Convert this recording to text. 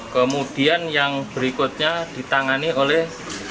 kemudian yang berikutnya ditangani oleh